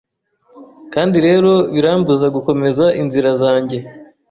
Kandi rero birambuza gukomeza inzira zanjye